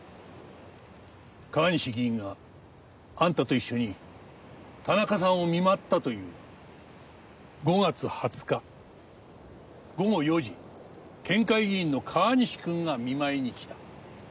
川西議員があんたと一緒に田中さんを見舞ったという「５月２０日午後４時県会議員の川西君が見舞いに来た」。